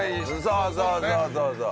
そうそうそうそうそう。